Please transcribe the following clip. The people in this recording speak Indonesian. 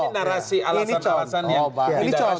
ini narasi alasan alasan yang tidak jelas